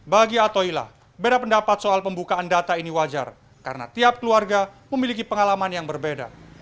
bagi atoila beda pendapat soal pembukaan data ini wajar karena tiap keluarga memiliki pengalaman yang berbeda